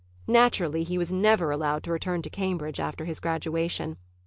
Naturally he was never allowed to return to Cambridge after his graduation.